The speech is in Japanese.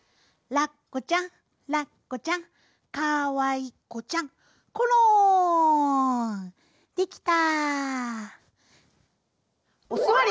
「ラッコちゃんラッコちゃんかわいこちゃんころん」できた。